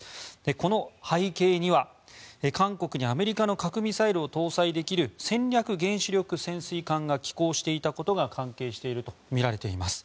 この背景には、韓国にアメリカの核ミサイルを搭載できる戦略原子力潜水艦が寄港していたことが関係しているとみられています。